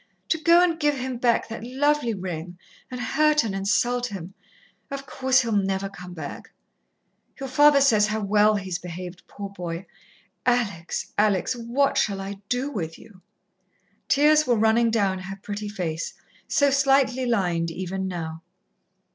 To go and give him back that lovely ring, and hurt and insult him.... Of course, he'll never come back. Your father says how well he's behaved, poor boy.... Alex, Alex, what shall I do with you?" Tears were running down her pretty face, so slightly lined even now.